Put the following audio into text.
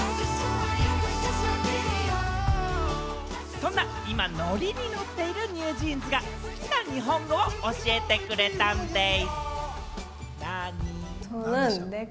そんな今、ノリにノッているＮｅｗＪｅａｎｓが好きな日本語を教えてくれたんでぃす。